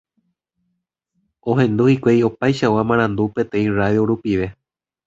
Ohendu hikuái opaichagua marandu peteĩ radio rupive.